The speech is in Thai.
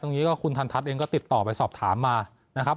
อย่างนี้ก็คุณทันทัศน์เองก็ติดต่อไปสอบถามมานะครับ